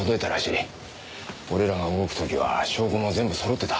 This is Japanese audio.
俺らが動く時は証拠も全部揃ってた。